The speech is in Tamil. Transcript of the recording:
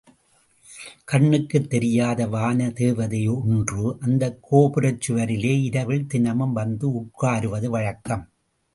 கண்ணுக்குத் தெரியாத வானதேவதையொன்று, இந்தக் கோபுரச் சுவரிலே இரவில் தினமும் வந்து உட்காருவது வழக்கம்.